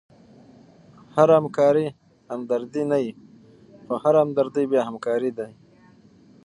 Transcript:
هره همکاري همدردي نه يي؛ خو هره همدردي بیا همکاري ده.